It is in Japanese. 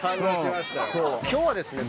今日はですね。